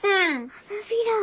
花びら。